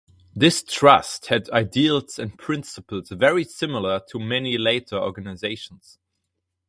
This trust had ideals and principles very similar to many later organisations.